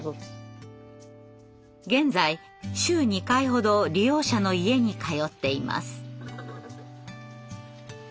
現在週２回ほど利用者の家に通っています。